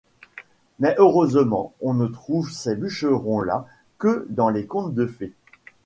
Mais heureusement on ne trouve ces bûcherons-là que dans les contes de fées.